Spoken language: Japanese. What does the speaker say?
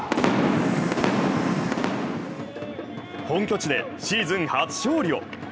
本拠地でシーズン初勝利を。